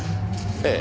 ええ。